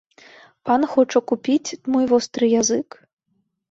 Пан хоча купіць мой востры язык?